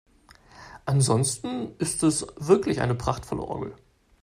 Ansonsten ist es wirklich eine prachtvolle Orgel.